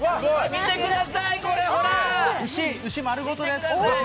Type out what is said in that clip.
見てください、ほら！